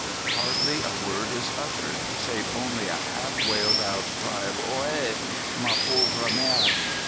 Hardly a word is uttered, save only a half wailed out cry of 'Ohé! ma pauvre mère!